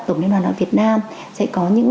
tổng liên đoàn học việt nam sẽ có những